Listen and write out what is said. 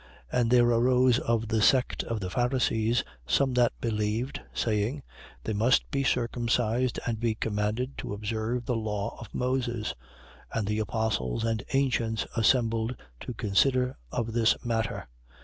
15:5. But there arose of the sect of the Pharisees some that believed, saying: They must be circumcised and be commanded to observe the law of Moses. 15:6. And the apostles and ancients assembled to consider of this matter.